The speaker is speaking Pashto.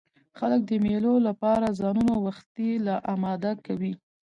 خلک د مېلو له پاره ځانونه وختي لا اماده کوي.